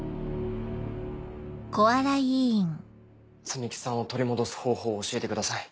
摘木さんを取り戻す方法を教えてください。